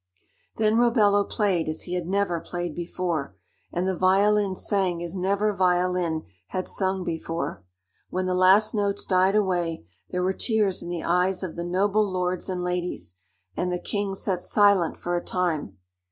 Then Robello played as he had never played before, and the violin sang as never violin had sung before. When the last notes died away, there were tears in the eyes of the noble lords and ladies, and the king sat silent for a time.